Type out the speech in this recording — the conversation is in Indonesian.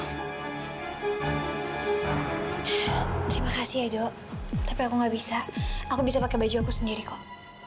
terima kasih edo tapi aku nggak bisa aku bisa pakai baju aku sendiri kok